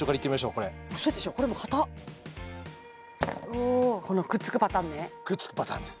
これこれも硬っこのくっつくパターンねくっつくパターンです